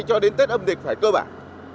cho đến tết âm lịch phải cơ bản